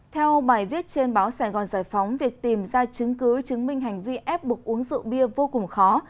theo bài viết trên báo sài gòn giải phóng việc tìm ra chứng cứ chứng minh hành vi ép buộc uống rượu bia vô cùng khó